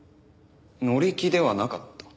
乗り気ではなかった？